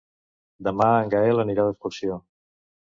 Demà en Gaël anirà d'excursió.